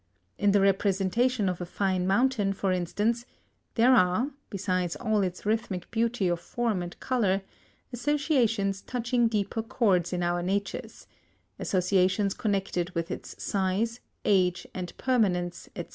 In the representation of a fine mountain, for instance, there are, besides all its rhythmic beauty of form and colour, associations touching deeper chords in our natures associations connected with its size, age, and permanence, &c.